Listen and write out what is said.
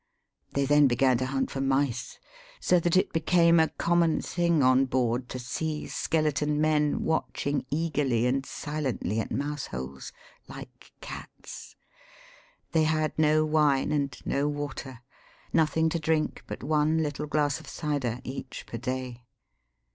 They then began to hunt for mice, so that it became a common thing onboard, to see skeleton men watching eagerly and silently at mouse holes, like cats. They had no wine and no water ; nothing to drink but one little glass of cider, each, per day.